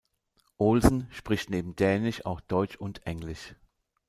Olsen spricht neben Dänisch auch Deutsch und Englisch.